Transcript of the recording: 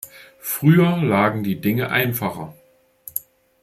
Früher lagen die Dinge einfacher.